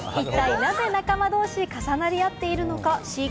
一体なぜ、仲間同士重なり合っているのか。